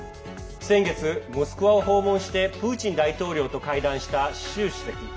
先月、モスクワを訪問してプーチン大統領と会談した習主席。